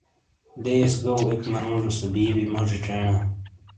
دیس گو ایک منوجو سے بِی بِی (بِیس) موجی چینا